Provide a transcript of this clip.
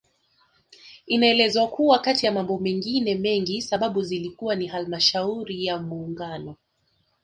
Inaelezwa kuwa kati ya mambo mengine mengi sababu zilikuwa ni Halmashauri ya muungano